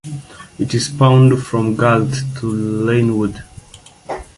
It spanned from Galt to Lynwood.